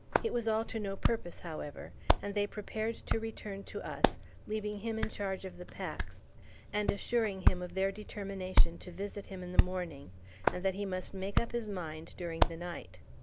It was all to no purpose, however, and they prepared to return to us, leaving him in charge of the packs, and assuring him of their determination to visit him in the morning; and that he must make up his mind during the night.